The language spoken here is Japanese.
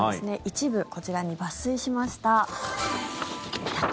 一部こちらに抜粋しました。